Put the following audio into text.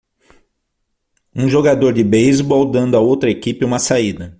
Um jogador de beisebol dando a outra equipe uma saída.